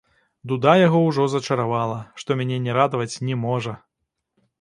Дуда яго ўжо зачаравала, што мяне не радаваць не можа!